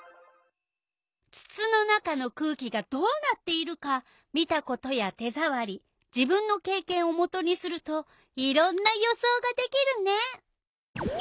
つつの中の空気がどうなっているか見たことや手ざわり自分のけいけんをもとにするといろんな予想ができるね。